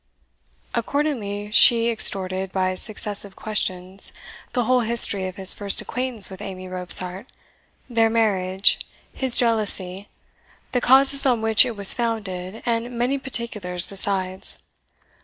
Accordingly, she extorted, by successive questions, the whole history of his first acquaintance with Amy Robsart their marriage his jealousy the causes on which it was founded, and many particulars besides.